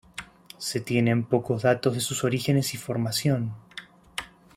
Se tienen pocos datos de sus orígenes y formación.